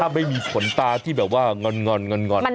ถ้าไม่มีขนตาที่แบบว่าง่อนใหม่